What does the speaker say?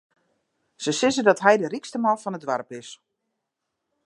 Se sizze dat hy de rykste man fan it doarp is.